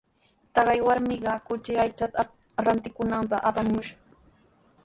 Taqay warmiqa kuchi aychata rantikunanpaq apamushqa.